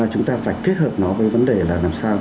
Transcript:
chúng ta phải kết hợp nó với vấn đề là làm sao